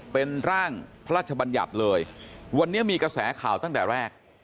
เป็นร่างพระราชบัญญัติเลยวันนี้มีกระแสข่าวตั้งแต่แรก